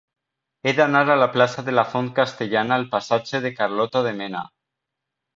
He d'anar de la plaça de la Font Castellana al passatge de Carlota de Mena.